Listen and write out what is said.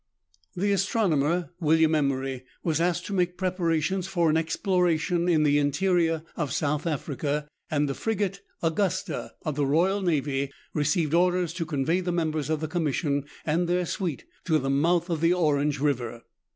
The astronomer William Emery was asked to make preparations for an exploration in the interior of South Africa, and the frigate " Augusta," of the royal navy, received orders to convey the members of the Commission and their suite to the mouth of the Orange River.